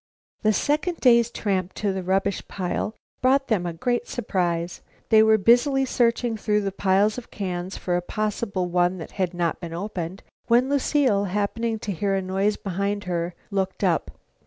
The second day's tramp to the rubbish pile brought them a great surprise. They were busily searching through the piles of cans for a possible one that had not been opened, when Lucile, happening to hear a noise behind her, looked up.